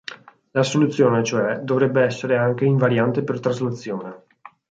La soluzione, cioè, dovrebbe essere anche "invariante per traslazione".